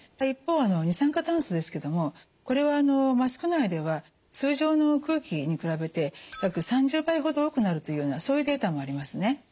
一方二酸化炭素ですけどもこれはマスク内では通常の空気に比べて約３０倍ほど多くなるというようなそういうデータもありますね。